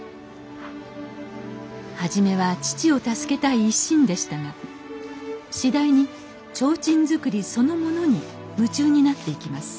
初めは父を助けたい一心でしたが次第に提灯作りそのものに夢中になっていきます